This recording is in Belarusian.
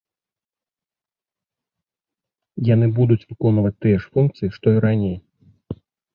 Яны будуць выконваць тыя ж функцыі, што і раней.